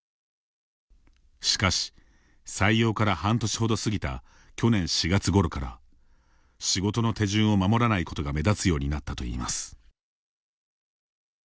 しかし、採用から半年ほど過ぎた去年４月ごろから仕事の手順を守らないことが目立つようになったといいます。